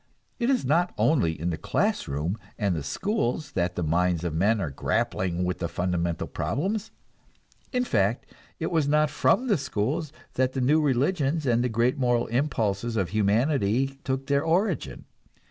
It is not only in the class room and the schools that the minds of men are grappling with the fundamental problems; in fact, it was not from the schools that the new religions and the great moral impulses of humanity took their origin.